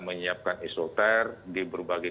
menyiapkan isoter di berbagai